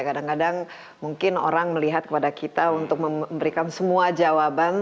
kadang kadang mungkin orang melihat kepada kita untuk memberikan semua jawaban